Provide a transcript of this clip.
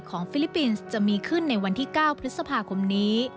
ฟิลิปปินส์จะมีขึ้นในวันที่๙พฤษภาคมนี้